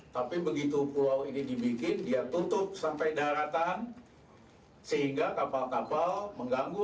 tapi begitu pulau ini dibikin dia tutup sampai daratan sehingga kapal kapal mengganggu